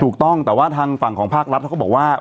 ถูกต้องแต่ว่าทางฝั่งของภาครัฐเขาก็บอกว่า